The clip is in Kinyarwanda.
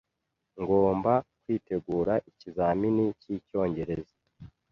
Ngomba kwitegura ikizamini cyicyongereza.